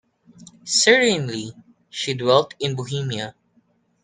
Certainly she dwelt in Bohemia.